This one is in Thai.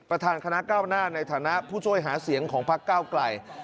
ประธานคณะก้าวหน้าในฐานะผู้ช่วยหาเสียงของพักเก้าไกล